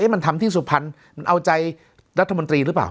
มันทำที่สุพรรณมันเอาใจรัฐมนตรีหรือเปล่า